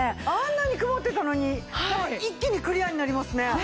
あんなに曇ってたのに一気にクリアになりますね。